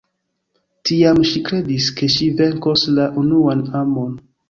Tiam ŝi kredis, ke ŝi venkos la unuan amon.